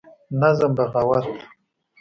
نظم: بغاوت